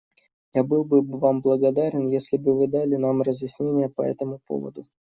Я был бы Вам благодарен, если бы Вы дали нам разъяснения по этому поводу.